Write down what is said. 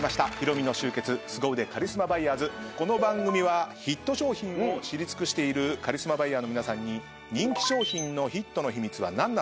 この番組はヒット商品を知り尽くしているカリスマバイヤーの皆さんに人気商品のヒットの秘密は何なのか？